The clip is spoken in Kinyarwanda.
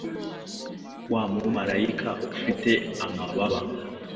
Wa Mumalayika ufite amababa